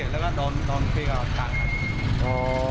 แล้วก็ดอนพี่กับต่างครับ